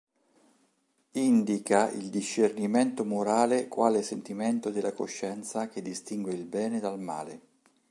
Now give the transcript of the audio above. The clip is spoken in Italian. Indica il discernimento morale quale sentimento della coscienza che distingue il bene dal male.